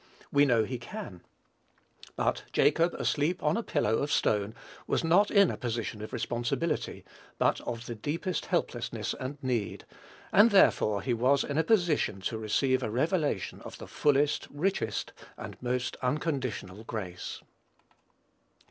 We know he can; but Jacob asleep on a pillow of stone was not in a position of responsibility, but of the deepest helplessness and need; and therefore he was in a position to receive a revelation of the fullest, richest, and most unconditional grace.